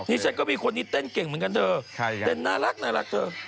นี่ฉันก็มีคนที่เต้นเก่งเหมือนกันเธอเต้นน่ารักเธอ